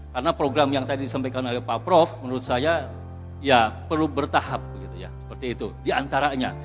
karena program yang tadi disampaikan oleh pak prof menurut saya perlu bertahap seperti itu diantaranya